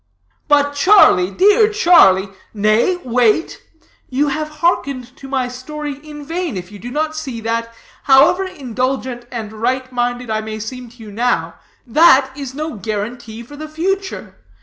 "But Charlie, dear Charlie " "Nay, wait. You have hearkened to my story in vain, if you do not see that, however indulgent and right minded I may seem to you now, that is no guarantee for the future.